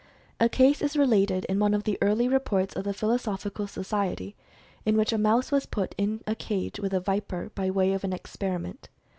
A case is related in one of the early reports of the Philosophical Society, in which a mouse was put in a cage with a viper, by way of an experiment.